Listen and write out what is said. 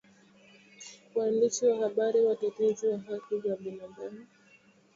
Waandishi wa habari watetezi wa haki za binadamu